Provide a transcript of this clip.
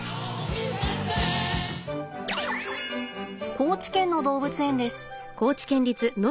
高知県の動物園です。